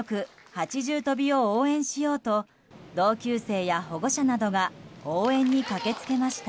８重跳びを応援しようと同級生や保護者などが応援に駆け付けました。